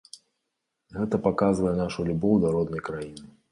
Гэта паказвае нашу любоў да роднай краіны.